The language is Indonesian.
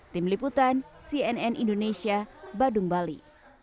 tim liputan cnn indonesia badung bali